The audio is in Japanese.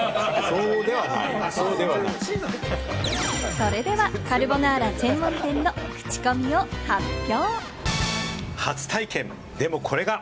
それでは、カルボナーラ専門店のクチコミを発表！